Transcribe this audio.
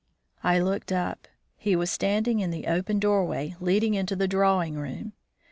I looked up; he was standing in the open doorway leading into the drawing room.